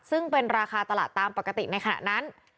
ซึ่งเป็นราคาตลาดตามปกติในขณะนั้น